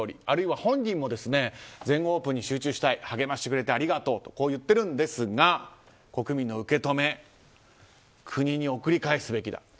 あるいは本人も全豪オープンに集中したい励ましてくれてありがとうと言ってるんですが国民の受け止め国に送り返すべきだ。